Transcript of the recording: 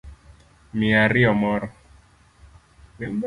Miya ariyo moro